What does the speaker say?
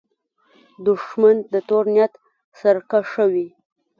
دښمن د تور نیت سرکښه وي